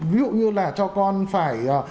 ví dụ như là cho con phải